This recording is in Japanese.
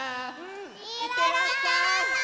いってらっしゃい！